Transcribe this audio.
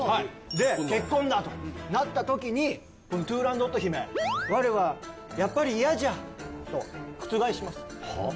で結婚だとなった時にトゥーランドット姫「我はやっぱりイヤじゃ」と覆します。